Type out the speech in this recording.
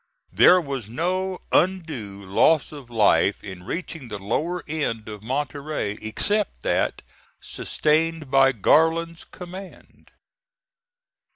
There was no undue loss of life in reaching the lower end of Monterey, except that sustained by Garland's command.